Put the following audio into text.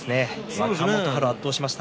若元春を圧倒しました。